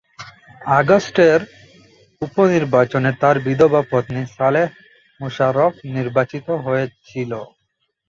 অক্টোবরের উপনির্বাচনে তার বিধবা পত্নী সালেহ মোশাররফ নির্বাচিত হয়েছিল।